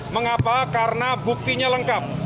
mengapa karena buktinya lengkap